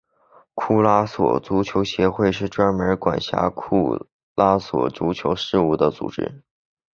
库拉索足球协会是专门管辖库拉索足球事务的组织。